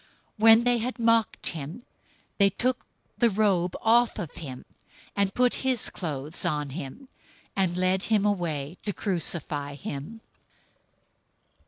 027:031 When they had mocked him, they took the robe off of him, and put his clothes on him, and led him away to crucify him.